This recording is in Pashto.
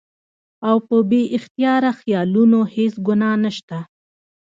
او پۀ بې اختياره خيالونو هېڅ ګناه نشته